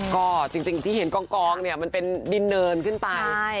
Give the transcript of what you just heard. ก็จริงที่เห็นกองเนี่ยมันเป็นดินเนินขึ้นไป